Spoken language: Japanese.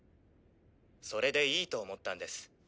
それでいいと思ったんです。